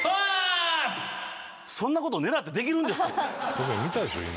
そんなこと狙ってできるんで見たでしょ、今。